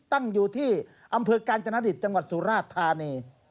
ตั้งอยู่ที่อำเภอกาญจนดิตจังหวัดสุราชธานี